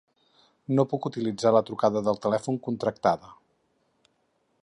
No puc utilitzar la trucada de telèfon contractada.